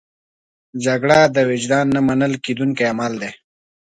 جګړه د وجدان نه منل کېدونکی عمل دی